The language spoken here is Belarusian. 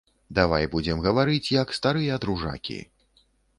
Давай будзем гаварыць як старыя дружакі.